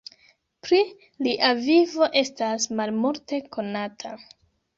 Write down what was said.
Pri lia vivo estas malmulte konata.